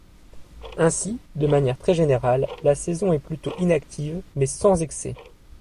Ainsi, de manière très générale, la saison est plutôt inactive mais sans excès.